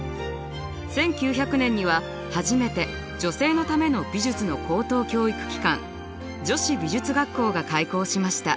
１９００年には初めて女性のための美術の高等教育機関女子美術学校が開校しました。